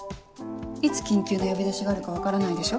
いつ緊急の呼び出しがあるか分からないでしょ？